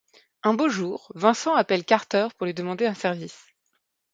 Un beau jour, Vincent appelle Carter pour lui demander un service.